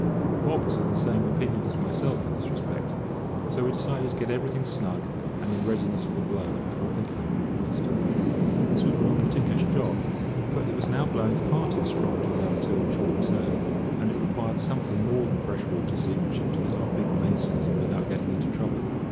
Bob was of the same opinion as myself in this respect, so we decided to get everything snug and in readiness for the blow before thinking of breakfast. This was rather a ticklish job, for it was now blowing far too strong to round to and shorten sail, and it required something more than freshwater seamanship to get our big mainsail in without getting into trouble.